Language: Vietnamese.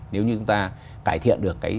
nếu như chúng ta cải thiện được